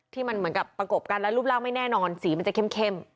ที่มันเหมือนกับประกบกันแล้วรูปร่างไม่แน่นอนสีมันจะเข้ม